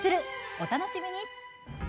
お楽しみに。